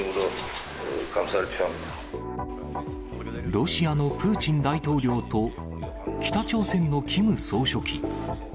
ロシアのプーチン大統領と、北朝鮮のキム総書記。